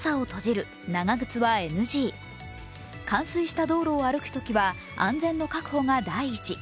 冠水した道路を歩くときは安全の確保が第一。